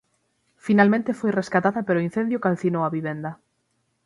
Finalmente foi rescatada pero o incendio calcinou a vivenda.